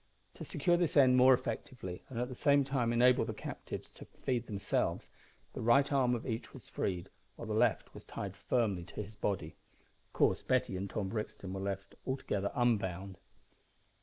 To secure this end more effectively, and at the same time enable the captives to feed themselves, the right arm of each was freed, while the left was tied firmly to his body. Of course, Betty and Tom Brixton were left altogether unbound.